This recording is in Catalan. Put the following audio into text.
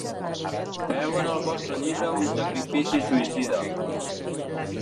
Féu en el vostre llibre un sacrifici suïcida